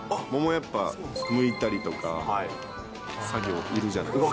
やっぱ、むいたりとか、作業、いるじゃないですか。